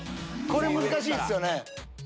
これ難しいっすよね。